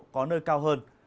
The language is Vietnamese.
có nơi cao hơn